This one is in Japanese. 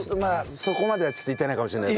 そこまではちょっといってないかもしれない。